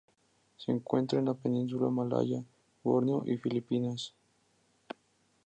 Se encuentra en la península malaya, Borneo y Filipinas.